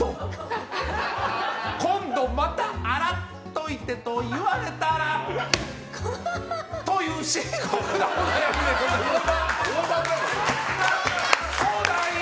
今度また洗っといて！と言われたらという深刻なお悩みでございます。